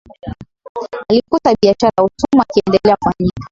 Alikuta biashara ya utumwa ikiendelea kufanyika